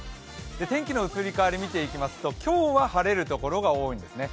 天気の移り変わり、見ていきますと今日は晴れるところが多いんですね。